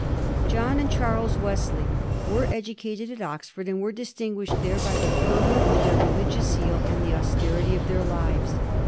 John and Charles Wesley were educated at Oxford, and were distinguished there by the fervor of their religious zeal and the austerity of their lives.